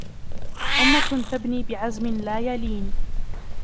أمة تبني بعزم لا يلين